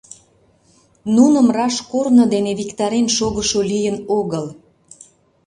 Нуным раш корно дене виктарен шогышо лийын огыл.